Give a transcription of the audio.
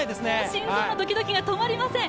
心臓のドキドキが止まりません。